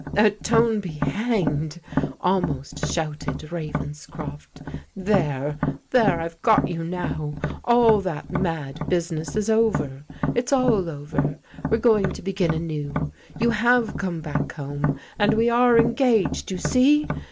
" Atone be hanged !" almost shouted Ravenscroft. " There — there, I've got you now. All that mad business is over. It's all over. We're going to begin anew. You have come back home, and we are engaged, you see.